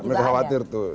iya mereka khawatir tuh